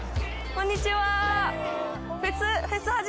・こんにちは